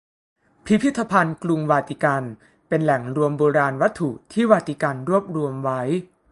พิพิธภัณฑ์กรุงวาติกันเป็นแหล่งรวมโบราณวัตถุที่วาติกันรวบรวมไว้